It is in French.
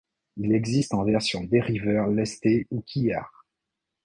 Il existe en version dériveur lesté ou quillard.